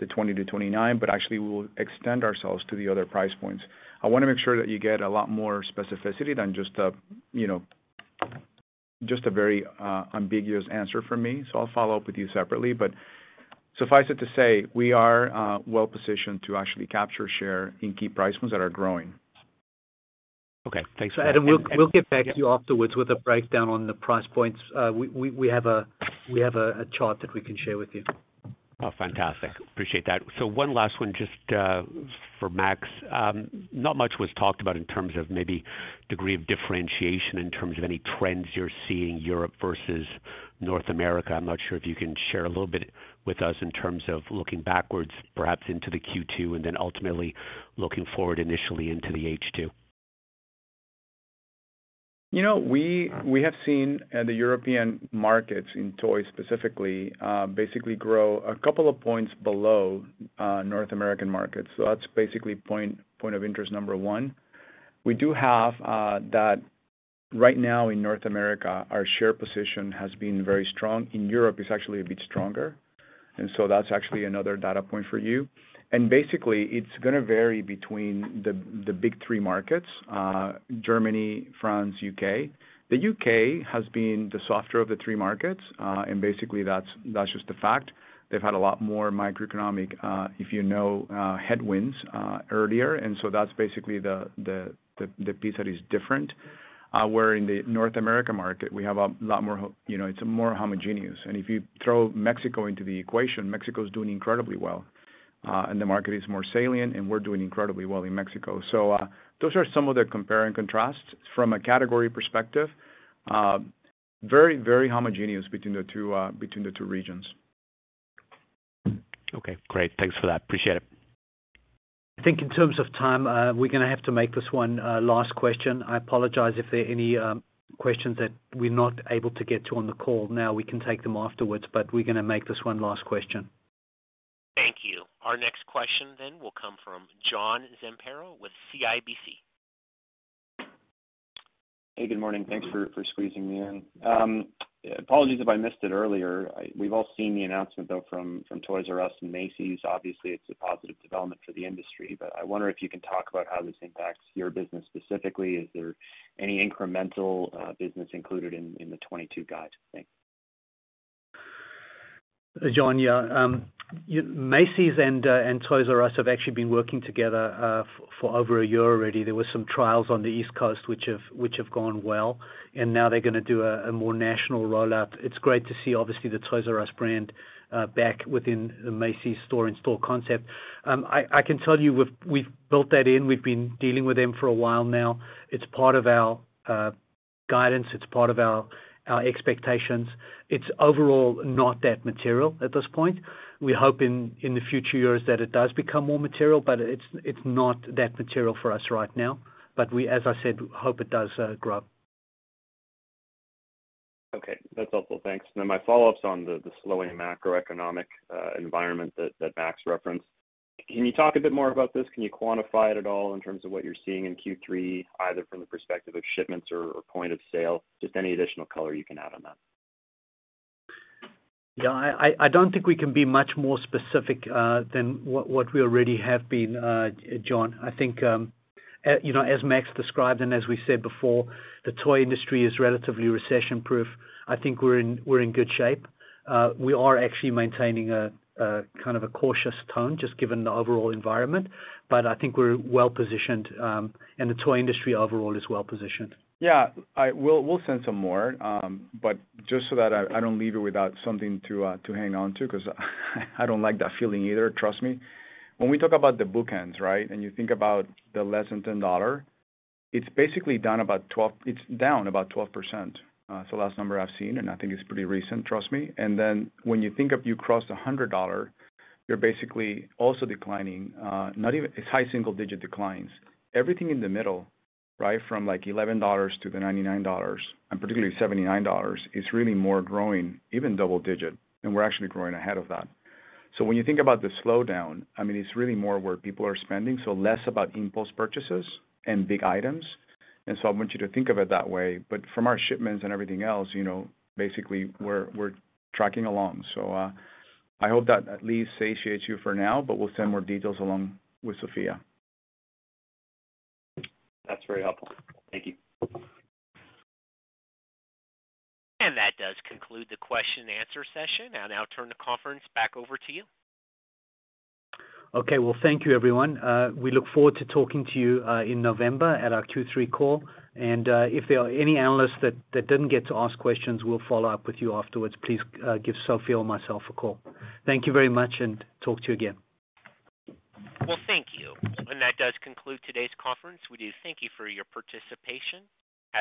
the $20-$29, but actually we will extend ourselves to the other price points. I want to make sure that you get a lot more specificity than just a, you know, just a very ambiguous answer from me. I'll follow up with you separately. Suffice it to say, we are well positioned to actually capture share in key price points that are growing. Okay, thanks for that. Adam, we'll get back to you afterwards with a breakdown on the price points. We have a chart that we can share with you. Fantastic. Appreciate that. One last one, just, for Max. Not much was talked about in terms of maybe degree of differentiation in terms of any trends you're seeing Europe versus North America. I'm not sure if you can share a little bit with us in terms of looking backwards, perhaps into the Q2 and then ultimately looking forward initially into the H2. You know, we have seen the European markets in toys specifically basically grow a couple of points below North American markets. That's basically point of interest number one. We do have that right now in North America, our share position has been very strong. In Europe, it's actually a bit stronger. That's actually another data point for you. Basically, it's going to vary between the big three markets, Germany, France, U.K. The U.K. has been the softer of the three markets, and basically that's just the fact. They've had a lot more macroeconomic you know headwinds earlier. That's basically the piece that is different. Where in the North America market, we have a lot more you know, it's more homogeneous. If you throw Mexico into the equation, Mexico is doing incredibly well, and the market is more salient, and we're doing incredibly well in Mexico. Those are some of the compare and contrasts from a category perspective. Very, very homogeneous between the two regions. Okay, great. Thanks for that. Appreciate it. I think in terms of time, we're going to have to make this one last question. I apologize if there are any questions that we're not able to get to on the call now. We can take them afterwards, but we're going to make this one last question. Thank you. Our next question will come from John Zamparo with CIBC. Hey, good morning. Thanks for squeezing me in. Apologies if I missed it earlier. We've all seen the announcement, though, from Toys “R” Us, Macy's. Obviously, it's a positive development for the industry, but I wonder if you can talk about how this impacts your business specifically. Is there any incremental business included in the 2022 guides? Thanks. John, yeah. Macy's and Toys "R" Us have actually been working together for over a year already. There were some trials on the East Coast which have gone well, and now they're going to do a more national rollout. It's great to see obviously the Toys “R” Us brand back within the Macy's in-store concept. I can tell you we've built that in. We've been dealing with them for a while now. It's part of our guidance, it's part of our expectations. It's overall not that material at this point. We hope in the future years that it does become more material, but it's not that material for us right now. We, as I said, hope it does grow. Okay. That's helpful. Thanks. Now, my follow-up's on the slowing macroeconomic environment that Max referenced. Can you talk a bit more about this? Can you quantify it at all in terms of what you're seeing in Q3, either from the perspective of shipments or point of sale? Just any additional color you can add on that. Yeah. I don't think we can be much more specific than what we already have been, John. I think, you know, as Max described and as we said before, the toy industry is relatively recession-proof. I think we're in good shape. We are actually maintaining a kind of a cautious tone just given the overall environment. I think we're well-positioned, and the toy industry overall is well-positioned. Yeah. We'll send some more. Just so that I don't leave you without something to hang on to, 'cause I don't like that feeling either, trust me. When we talk about the bookends, right? You think about the less than $10, it's basically down about 12%. It's the last number I've seen, and I think it's pretty recent, trust me. Then when you think you've crossed a $100, you're basically also declining, not even high single-digit declines. Everything in the middle, right from like $11 to the $99, and particularly $79, is really more growing, even double-digit, and we're actually growing ahead of that. When you think about the slowdown, I mean, it's really more where people are spending, so less about impulse purchases and big items. I want you to think of it that way. From our shipments and everything else, you know, basically we're tracking along. I hope that at least satiates you for now, but we'll send more details along with Sophia. That's very helpful. Thank you. That does conclude the question-and-answer session. I'll now turn the conference back over to you. Okay. Well, thank you, everyone. We look forward to talking to you in November at our Q3 call. If there are any analysts that didn't get to ask questions, we'll follow up with you afterwards. Please, give Sophia or myself a call. Thank you very much, and talk to you again. Well, thank you. That does conclude today's conference. We do thank you for your participation.